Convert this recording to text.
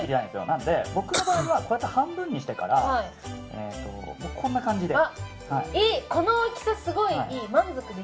なので僕の場合は半分にしてからこんな感じで。